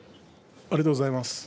ありがとうございます。